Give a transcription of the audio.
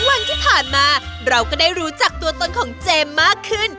วันที่ผ่านมาเราก็ได้รู้จักตัวตนของเจมส์มากขึ้น